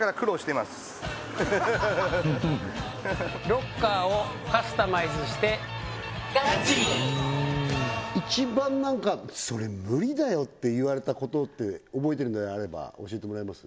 ロッカーをカスタマイズして一番なんかそれムリだよって言われたことって覚えてるのあれば教えてもらえます？